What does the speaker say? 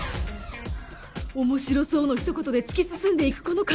「面白そう」のひと言で突き進んでいくこの感じ